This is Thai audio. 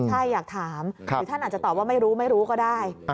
ใช่อยากถามหรือท่านอาจจะตอบว่าไม่รู้ไม่รู้ก็ได้